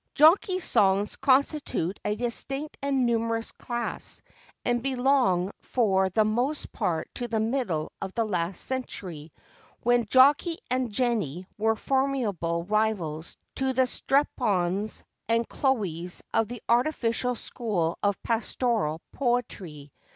'Jockey' songs constitute a distinct and numerous class, and belong for the most part to the middle of the last century, when Jockey and Jenny were formidable rivals to the Strephons and Chloes of the artificial school of pastoral poetry.